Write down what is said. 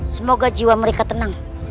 semoga jiwa mereka tenang